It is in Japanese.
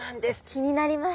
気になります。